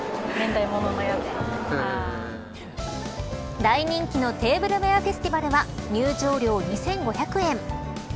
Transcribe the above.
大人気のテーブルウェア・フェスティバルは入場料２５００円。